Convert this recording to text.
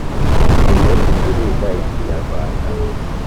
uyu munsi turiga ikinyarwanda